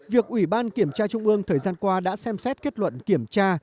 việc ủy ban kiểm tra trung ương thời gian qua đã xem xét kết luận kiểm tra